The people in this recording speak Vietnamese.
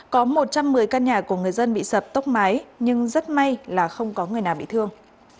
có một trăm một mươi căn nhà của người dân bị sập tốc mái nhưng rất may là không có người nào bị thương